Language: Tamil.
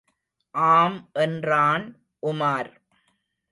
ஆம் என்றான் உமார்.